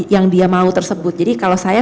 yang dia mau tersebut jadi kalau saya